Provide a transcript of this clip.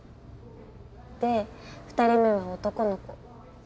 で２人目は男の子。